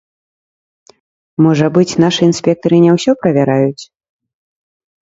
Можа быць, нашы інспектары не ўсё правяраюць?